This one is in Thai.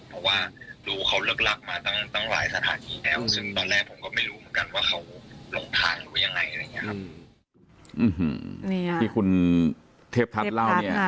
เพราะว่ารู้เขาลักมาตั้งหลายสถานีแล้วซึ่งตอนแรกผมก็ไม่รู้เหมือนกันว่าเขาลงทางหรือยังไง